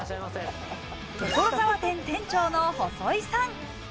所沢店店長の細井さん。